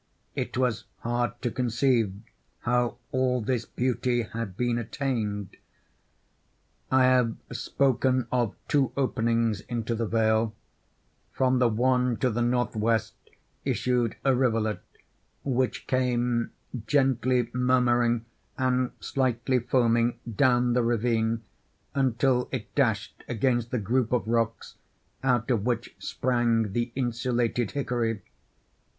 It was hard to conceive how all this beauty had been attained. I have spoken of two openings into the vale. From the one to the northwest issued a rivulet, which came, gently murmuring and slightly foaming, down the ravine, until it dashed against the group of rocks out of which sprang the insulated hickory.